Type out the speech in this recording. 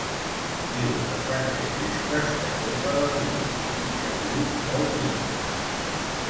Diu que fa tres vespres que sopa verdures i que avui vol pizza